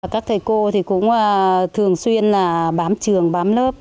các thầy cô cũng thường xuyên bám trường bám lớp